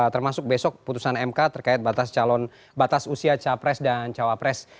termasuk besok putusan mk terkait batas usia capres dan cawapres